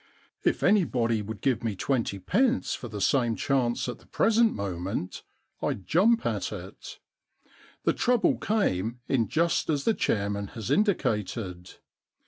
If anybody would give me twenty pence for the same chance at the present moment Fd jump at it. The trouble came in just as the chairman has indicated.